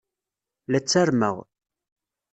La ttarmeɣ.